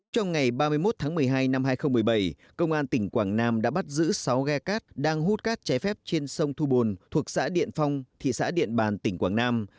trong ngày ba mươi một tháng một mươi hai năm hai nghìn một mươi bảy công an tỉnh quảng nam đã bắt giữ sáu ghe cát đang hút cát trái phép trên sông thu bồn thuộc xã điện phong thị xã điện bàn tỉnh quảng nam